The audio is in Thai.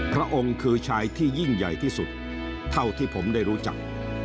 พระองค์คือชายที่ยิ่งใหญ่ที่สุดเท่าที่ผมได้รู้จัก